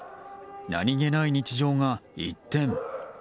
何気ない日常が一転。